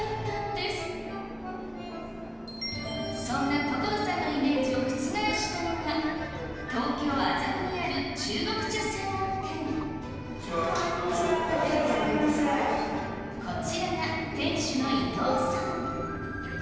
そんな所さんのイメージを覆したのが東京・麻布にある中国茶専門店こんにちは。